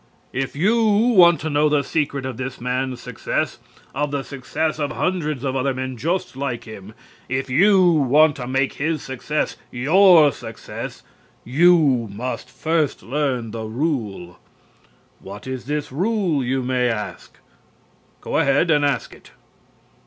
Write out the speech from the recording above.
If you want to know the secret of this man's success, of the success of hundreds of other men just like him, if you want to make his success your success, you must first learn the rule. What is this rule? you may ask. Go ahead and ask it.